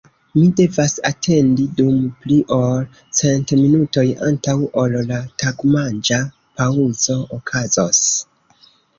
Mi devas atendi dum pli ol cent minutoj antaŭ ol la tagmanĝa paŭzo okazos.